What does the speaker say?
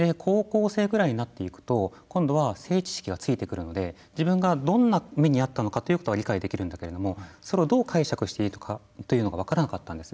高校生ぐらいになっていくと今度は性知識がついてくるので自分がどんな目に遭ったかということが理解できるんだけどそれをどう解釈していいかというのが分からなかったんです。